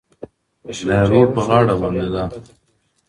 که شین چای وڅښو نو ستړیا نه پاتې کیږي.